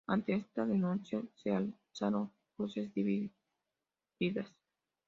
Ante esta denuncia se alzaron voces divididas.